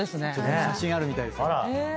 写真あるみたいですよ。